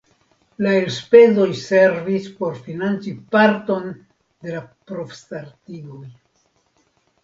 La elspezoj servis por financi parton de la provstartigoj.